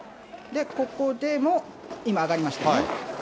ここでも今、上がりましたよね。